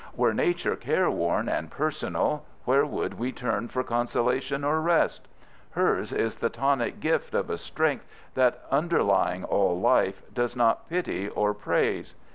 Were Nature careworn and personal, where should we turn for consolation or rest? Hers is the tonic gift of a strength that, underlying all life, does not pity or praise.